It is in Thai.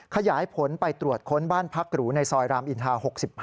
ขยายผลไปตรวจค้นบ้านพักหรูในซอยรามอินทา๖๕